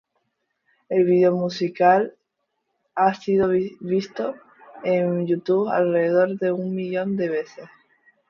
El video musical ha sido visto en YouTube alrededor de un millón de veces.